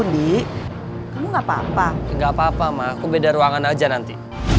andi kamu nggak papa papa enggak papa mah aku beda ruangan aja nanti